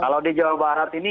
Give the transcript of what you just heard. kalau di jawa barat ini